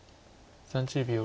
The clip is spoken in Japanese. ３０秒。